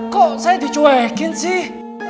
kok saya dicuekin sih